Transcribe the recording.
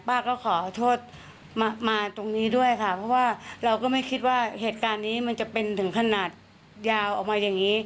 ป้าก็ขอโทษมาตรงนี้ด้วยค่ะเพราะว่าเราก็ไม่คิดว่าเหตุการณ์นี้มันจะเป็นถึงขนาดยาวออกมาอย่างนี้